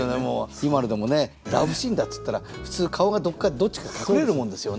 今のでもねラブシーンだっつったら普通顔がどっちか隠れるもんですよね。